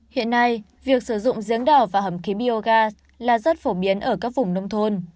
hiện nay việc sử dụng giếng đỏ và hầm khí biogas là rất phổ biến ở các vùng nông thôn